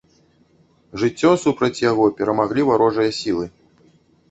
Жыццё супраць яго, перамаглі варожыя сілы.